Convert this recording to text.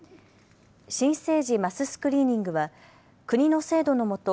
新生児マススクリーニングは国の制度のもと